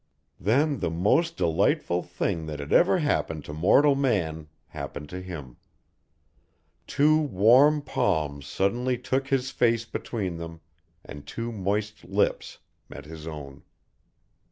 Then the most delightful thing that ever happened to mortal man happened to him. Two warm palms suddenly took his face between them and two moist lips met his own.